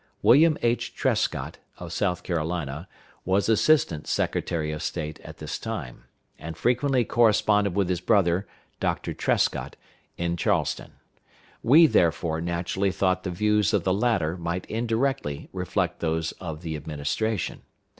William H. Trescott, of South Carolina, was Assistant Secretary of State at this time, and frequently corresponded with his brother, Doctor Trescott, in Charleston. We, therefore, naturally thought the views of the latter might indirectly reflect those of the Administration.